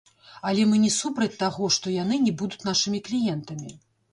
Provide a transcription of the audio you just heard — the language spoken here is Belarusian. Але мы не супраць таго, што яны не будуць нашымі кліентамі.